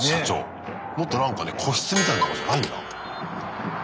もっとなんかね個室みたいなとこじゃないんだ。